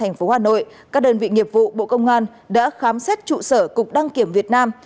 thành phố hà nội các đơn vị nghiệp vụ bộ công an đã khám xét trụ sở cục đăng kiểm việt nam